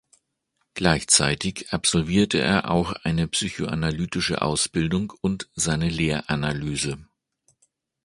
Gleichzeitig absolvierte er auch eine psychoanalytische Ausbildung und seine Lehranalyse.